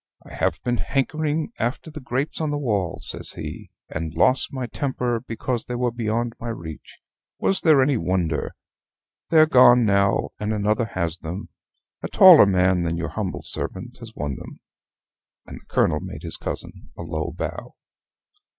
"I have been hankering after the grapes on the wall," says he, "and lost my temper because they were beyond my reach; was there any wonder? They're gone now, and another has them a taller man than your humble servant has won them." And the Colonel made his cousin a low bow.